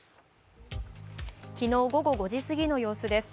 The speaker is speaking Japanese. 昨日午後５時すぎの様子です。